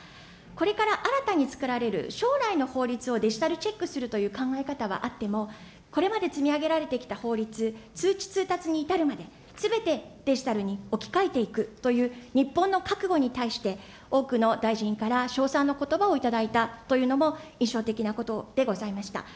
これから新たにつくられる将来の法律をデジタルチェックするという考え方はあっても、これまで積み上げられてきた法律、通知・通達に至るまで、すべてデジタルに置き換えていくという日本の覚悟に対して、多くの大臣から称賛のことばをいただいたというのも印象的なことでございました。